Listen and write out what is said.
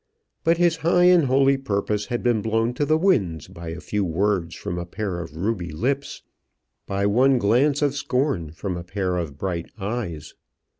But his high and holy purpose had been blown to the winds by a few words from a pair of ruby lips, by one glance of scorn from a pair of bright eyes.